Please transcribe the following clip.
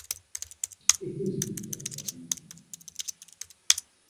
E così accadde.